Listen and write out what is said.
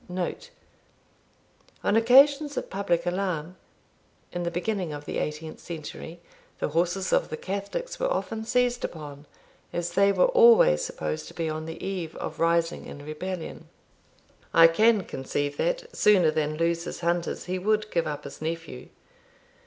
On occasions of public alarm, in the beginning of the eighteenth century, the horses of the Catholics were often seized upon, as they were always supposed to be on the eve of rising in rebellion. "I can conceive that, sooner than lose his hunters, he would give up his nephew."